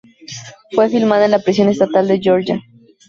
Fue filmada en la Prisión Estatal de Georgia.